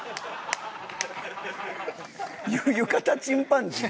浴衣チンパンジーやん。